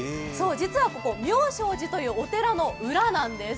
実はここ明松寺というお寺の裏なんです。